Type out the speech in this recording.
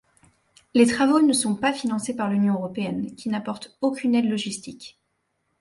Les travaux ne sont pas financés par l'Union européenne, qui n'apporte aucune aide logistique.